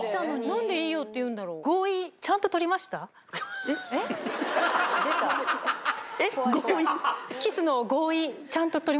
・何でいいよって言うんだろ・ハハハハ。